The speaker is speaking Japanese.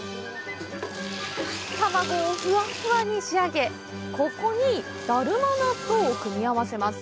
卵をフワフワに仕上げ、ここにだるま納豆を組み合わせます。